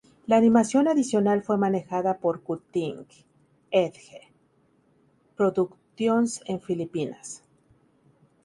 La animación adicional fue manejada por Cutting Edge Productions en Filipinas.